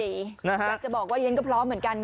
กลับจะบอกว่าเย็นก็พร้อมเหมือนกัน